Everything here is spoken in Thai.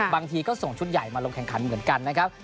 บางทีก็ส่งชุดใหญ่มาลงแข่งขันเหมือนกันนะครับ